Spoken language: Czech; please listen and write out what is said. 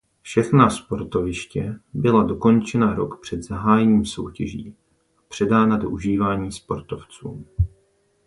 Všechna sportoviště byla dokončena rok před zahájením soutěží a předána do užívání sportovcům.